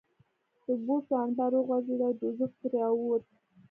د بوسو انبار وخوځېد او جوزف ترې راووت